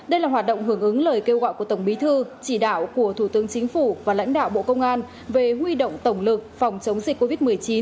đây là hoạt động hưởng ứng lời kêu gọi của tổng bí thư chỉ đạo của thủ tướng chính phủ và lãnh đạo bộ công an về huy động tổng lực phòng chống dịch covid một mươi chín